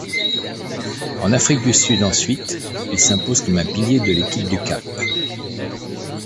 En Afrique du sud ensuite, il s'impose comme un pilier de l'équipe du Cap.